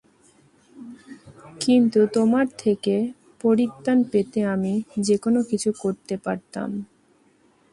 কিন্তু তোমার থেকে পরিত্রাণ পেতে আমি যেকোনো কিছু করতে পারতাম।